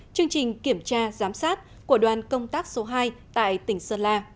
chương trình kiểm tra giám sát của đoàn công tác số hai tại tỉnh sơn la